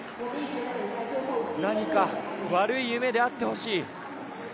何か悪い夢であってほしい。